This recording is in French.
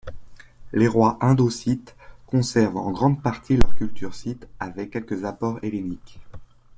Les rois indo-scythes conservent en grande partie leur culture scythe avec quelques apports helléniques.